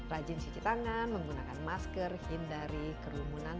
rajin cuci tangan menggunakan masker hindari kerumunan